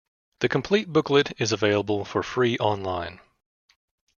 The complete booklet is available for free on-line.